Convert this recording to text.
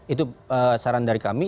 itu saran dari kami